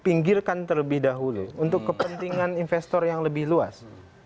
pinggirkan terlebih dahulu untuk kepentingan investor yang lebih luas